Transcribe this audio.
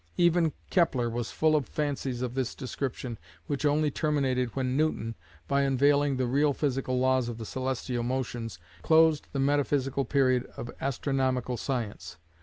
Even Kepler was full of fancies of this description, which only terminated when Newton, by unveiling the real physical laws of the celestial motions, closed the metaphysical period of astronomical science.